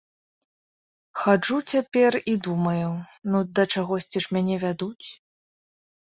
Хаджу цяпер і думаю, ну да чагосьці ж мяне вядуць.